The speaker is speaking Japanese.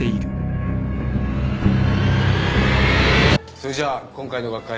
それじゃあ今回の学会